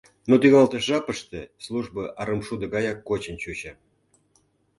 Но тӱҥалтыш жапыште службо арымшудо гаяк кочын чучо.